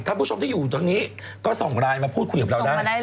ผู้ชมที่อยู่ตรงนี้ก็ส่งไลน์มาพูดคุยกับเราได้